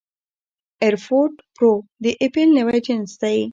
اېرفوډ پرو د اېپل نوی جنس دی